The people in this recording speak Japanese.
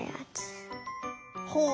ほう！